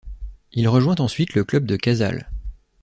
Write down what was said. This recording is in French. Il rejoint ensuite le club de Casale.